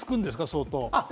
相当。